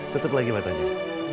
tutup lagi matanya